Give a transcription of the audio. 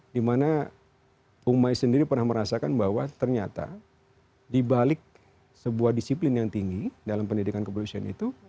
dimana umai sendiri pernah merasakan bahwa ternyata dibalik sebuah disiplin yang tinggi dalam pendidikan kepolisian itu